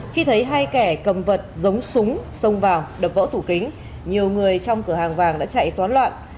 khi thấy hai kẻ cầm vật giống súng xông vào đập vỡ tủ kính nhiều người trong cửa hàng vàng đã chạy toán loạn